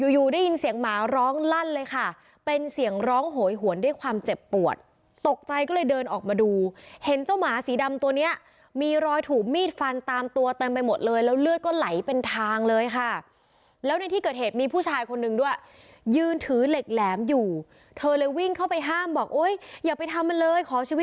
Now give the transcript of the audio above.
อยู่ได้ยินเสียงหมาร้องลั่นเลยค่ะเป็นเสียงร้องโหยหวนด้วยความเจ็บปวดตกใจก็เลยเดินออกมาดูเห็นเจ้าหมาสีดำตัวเนี้ยมีรอยถูกมีดฟันตามตัวเต็มไปหมดเลยแล้วเลือดก็ไหลเป็นทางเลยค่ะแล้วในที่เกิดเหตุมีผู้ชายคนนึงด้วยยืนถือเหล็กแหลมอยู่เธอเลยวิ่งเข้าไปห้ามบอกโอ๊ยอย่าไปทำมันเลยขอชีวิต